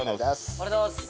ありがとうございます。